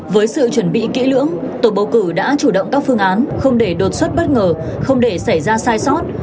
với sự chuẩn bị kỹ lưỡng tổ bầu cử đã chủ động các phương án không để đột xuất bất ngờ không để xảy ra sai sót